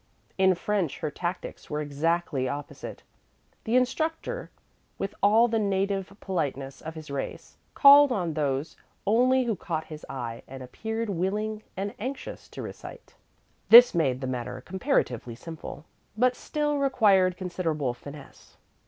In French her tactics were exactly opposite. The instructor, with all the native politeness of his race, called on those only who caught his eye and appeared willing and anxious to recite. This made the matter comparatively simple, but still required considerable finesse.